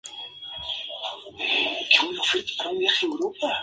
Sus fiestas se celebran en el mes de junio.